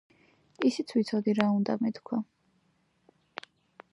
ისიც ვიცოდი რა უნდა მეთქვა.